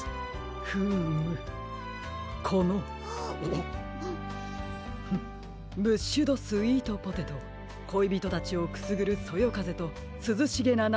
フームこのフッブッシュドスイートポテトこいびとたちをくすぐるそよかぜとすずしげなな